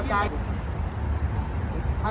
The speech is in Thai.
ไม่ได้